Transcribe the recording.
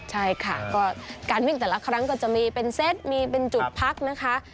ใช่ค่ะก็การวิ่งแต่ละครั้งก็จะมีเป็นเซตมีเป็นจุดพักนะคะ